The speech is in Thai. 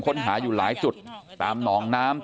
กลุ่มตัวเชียงใหม่